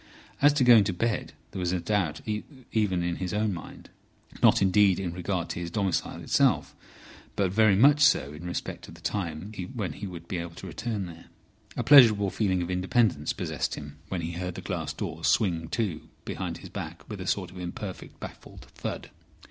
As to going to bed, there was a doubt even in his own mind. Not indeed in regard to his domicile itself, but very much so in respect of the time when he would be able to return there. A pleasurable feeling of independence possessed him when he heard the glass doors swing to behind his back with a sort of imperfect baffled thud.